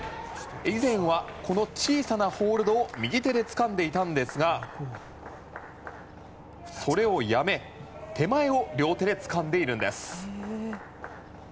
以前は、この小さなホールドを右手でつかんでいたんですがそれをやめ、手前を両手でつかんでいるんです。